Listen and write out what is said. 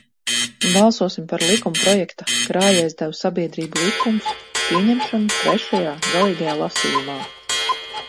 "Balsosim par likumprojekta "Krājaizdevu sabiedrību likums" pieņemšanu trešajā, galīgajā, lasījumā."